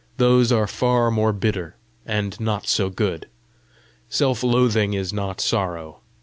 Those are far more bitter, and not so good. Self loathing is not sorrow.